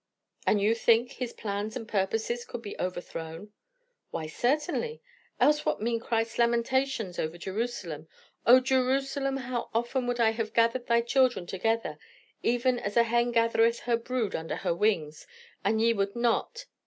"And you think his plans and purposes could be overthrown?" "Why, certainly. Else what mean Christ's lamentations over Jerusalem? 'O Jerusalem,... how often would I have gathered thy children together, even as a hen gathereth her brood under her wings, and ye would not.'